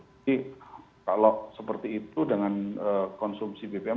jadi kalau seperti itu dengan konsumsi bpm